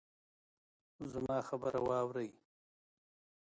زما خبره واورئ